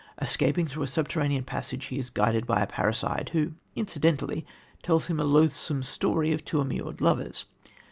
Escaping through a subterranean passage, he is guided by a parricide, who incidentally tells him a loathsome story of two immured lovers.